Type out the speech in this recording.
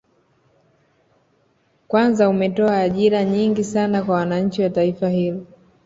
Kwanza umetoa ajira nyingi sana kwa wananchi wa taifa hilo